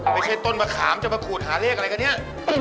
ต้นมะขามจะมาขูดหาเลขอะไรกันเนี่ย